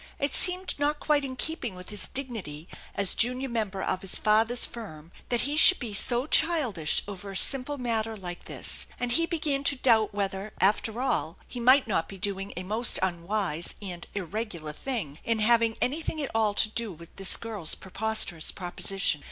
It seemed not quite in keeping with his dignity as junior member of his father's firm that he should be so childish over a simple matter like this, and he began to doubt whether, after all, he might not be doing * most unwise and irregular thing in having anything at all te do with this girl's preposterous proposition.